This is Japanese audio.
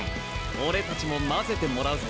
俺たちも交ぜてもらうぞ。